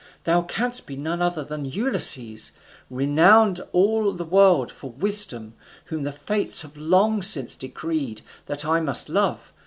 Thou canst be none other than Ulysses, renowned above all the world for wisdom, whom the Fates have long since decreed that I must love.